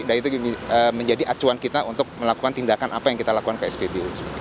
itu menjadi acuan kita untuk melakukan tindakan apa yang kita lakukan ke spbu